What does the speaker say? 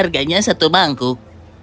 harganya satu mangkuk